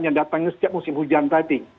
yang datangnya setiap musim hujan tadi